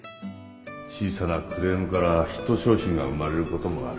小さなクレームからヒット商品が生まれることもある